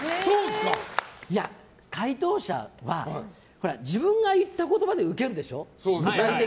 回答者は自分が言った言葉でウケるでしょ？